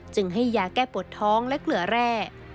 จึงให้ยาแก้ปวดท้องและเกลือแร่